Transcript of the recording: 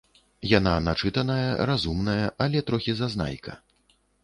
Яна начытаная, разумная, але трохі зазнайка.